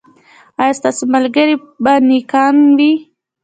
ایا ستاسو ملګري به نیکان وي؟